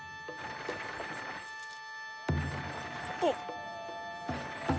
あっ！